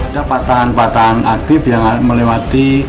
ada patahan patahan aktif yang melewati